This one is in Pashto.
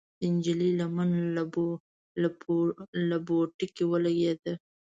د نجلۍ لمن له بوټي ولګېده.